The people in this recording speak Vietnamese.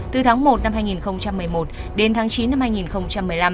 từ tháng một năm hai nghìn một mươi một đến tháng chín năm hai nghìn một mươi năm